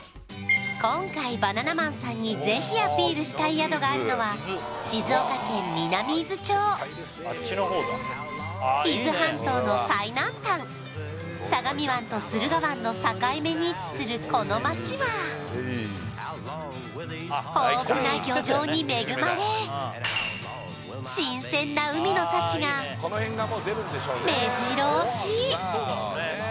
今回バナナマンさんにぜひアピールしたい宿があるのは静岡県南伊豆町伊豆半島の最南端相模湾と駿河湾の境目に位置するこの町は豊富な漁場に恵まれ新鮮な海の幸がめじろ押し！